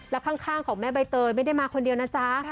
แล้วข้างของแม่ใบเตยไม่ได้มาคนเดียวนะจ๊ะ